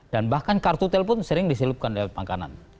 dan bahkan kartu telepon sering disilipkan dari makanan